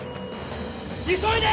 急いで！